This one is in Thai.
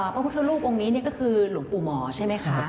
พระพุทธรูปองค์นี้ก็คือหลวงปู่หมอใช่ไหมคะ